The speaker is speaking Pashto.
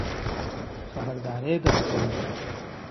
خبرداری درکوو.